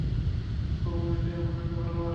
আপনার কম্যুনিটি আপনাকে ভালোবাসে।